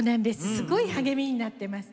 すごい励みになってます。